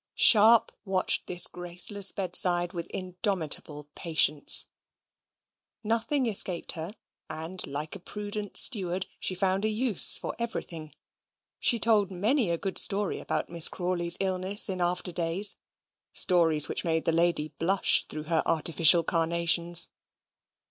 Sharp watched this graceless bedside with indomitable patience. Nothing escaped her; and, like a prudent steward, she found a use for everything. She told many a good story about Miss Crawley's illness in after days stories which made the lady blush through her artificial carnations.